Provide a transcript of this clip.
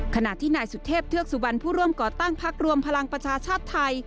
ขณะที่นายสุเทพเทือกสุวรรณผู้ร่วมก่อตั้งพักรวมพลังประชาชาติไทย